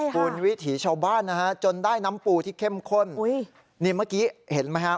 คุณวิถีชาวบ้านนะฮะจนได้น้ำปูที่เข้มข้นอุ้ยนี่เมื่อกี้เห็นไหมฮะ